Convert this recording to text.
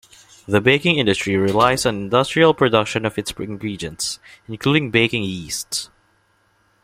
The baking industry relies on industrial production of its ingredients, including baking yeasts.